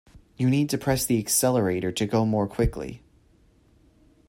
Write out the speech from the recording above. You need to press the accelerator to go more quickly